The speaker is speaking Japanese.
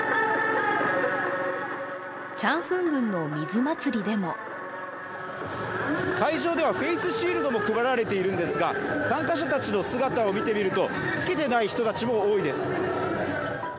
チャンフン郡の水祭りでも会場ではフェイスシールドも配られているんですが参加者たちの姿を見てみると、つけていない人たちも多いです。